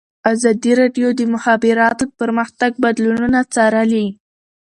ازادي راډیو د د مخابراتو پرمختګ بدلونونه څارلي.